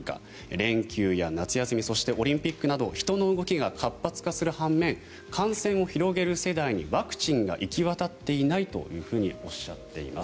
連休や夏休み、そしてオリンピックなど人の動きが活発化する半面感染を広げる世代にワクチンが行き渡っていないとおっしゃっています。